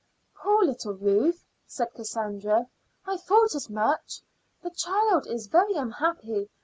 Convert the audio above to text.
"Poor little Ruth!" said Cassandra. "I thought as much. The child is very unhappy.